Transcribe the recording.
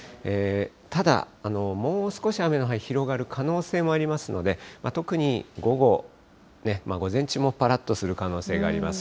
ただ、もう少し雨の範囲、広がる可能性もありますので、特に午後、午前中もぱらっとする可能性があります。